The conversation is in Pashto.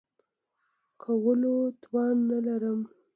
کولو توان نه لرم .